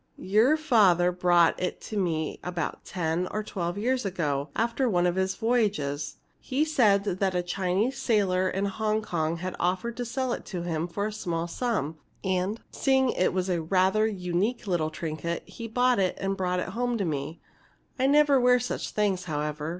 "Your father brought it to me about ten or twelve years ago, after one of his voyages. He said that a Chinese sailor in Hong Kong had offered to sell it to him for a small sum, and seeing it was a rather unique little trinket, he bought it and brought it home to me. I never wear such things, however.